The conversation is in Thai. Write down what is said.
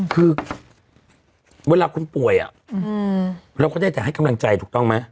คือเวลาคุณป่วยเราก็ได้แต่ให้กำลังใจถูกต้องไหม